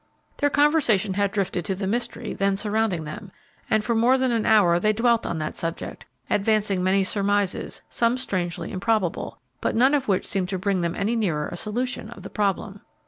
Their conversation had drifted to the mystery then surrounding them, and for more than an hour they dwelt on that subject, advancing many surmises, some strangely improbable, but none of which seemed to bring them any nearer a solution of the problem.